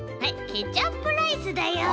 ケチャップライスだよ。